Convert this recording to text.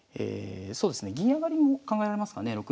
そうですね銀上がりも考えられますかね